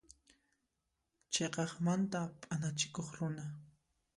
Chhiqaqmanta p'anachikuq runa.